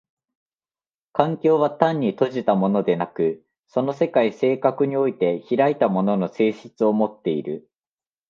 環境は単に閉じたものでなく、その世界性格において開いたものの性質をもっている。